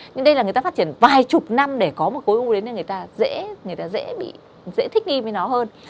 nhưng đây là người ta phát triển vài chục năm để có một khối u ấy nên người ta dễ thích nghi với nó hơn